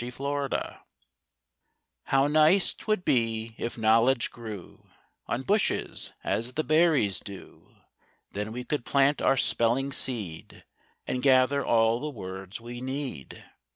EASY KNOWLEDGE How nice 'twould be if knowledge grew On bushes, as the berries do! Then we could plant our spelling seed, And gather all the words we need.